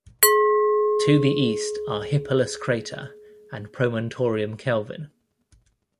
To the east are Hippalus crater and Promontorium Kelvin.